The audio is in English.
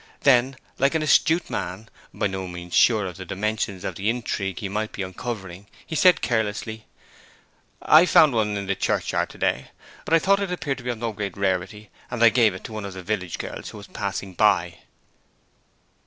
Then, like an astute man, by no means sure of the dimensions of the intrigue he might be uncovering, he said carelessly, 'I found such a one in the churchyard to day. But I thought it appeared to be of no great rarity, and I gave it to one of the village girls who was passing by.'